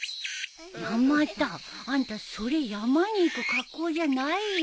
山田あんたそれ山に行く格好じゃないよ。